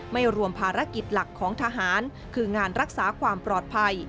ไม่รวมภารกิจหลักของทหารคืองานรักษาความปลอดภัย